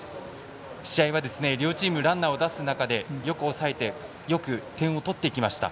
試合は両チームランナーを出す中でよく抑えてよく点を取っていきました。